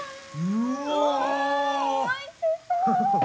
うわおいしそう！